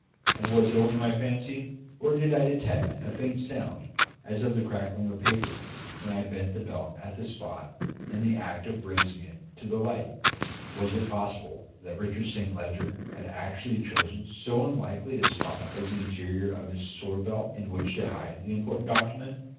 And was it only my fancy, or did I detect a faint sound as of the crackling of paper when I bent the belt at that spot in the act of raising it to the light? Was it possible that Richard Saint Leger had actually chosen so unlikely a spot as the interior of his sword belt in which to hide the important document?